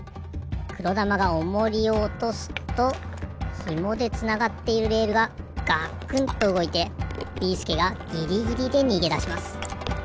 くろだまがオモリをおとすとひもでつながっているレールがガクンとうごいてビーすけがギリギリでにげだします。